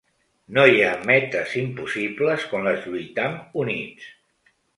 No hi ha metes impossibles quan les lluitam units.